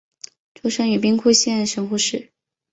出身于兵库县神户市。